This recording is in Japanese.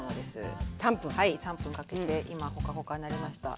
はい３分かけて今ほかほかになりました。